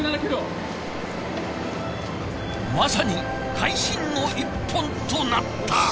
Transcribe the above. まさに会心の一本となった。